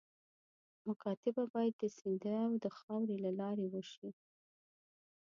مکاتبه باید د سیندهیا د خاوري له لارې وشي.